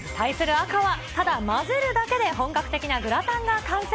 赤は、ただ混ぜるだけで本格的なグラタンが完成。